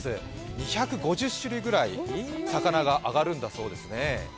２５０種類ぐらい魚が揚がるんだそうですね。